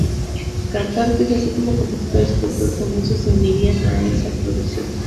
Cantantes, así como compositores y productores famosos se unirían a esta producción.